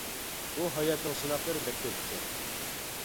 بۇ ھاياتنىڭ سىناقلىرى بەك كۆپ ئىكەن.